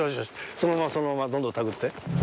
そのままそのままどんどん手繰って。